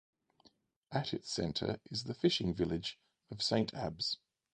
At its centre is the fishing village of Saint Abbs.